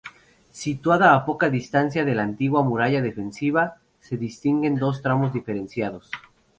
Situada a poca distancia de la antigua muralla defensiva, se distinguen dos tramos diferenciados.